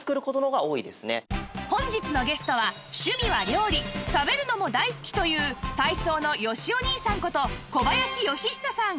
本日のゲストは趣味は料理食べるのも大好きという体操のよしお兄さんこと小林よしひささん